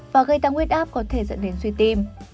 và gây tăng huyết áp có thể dẫn đến suy tim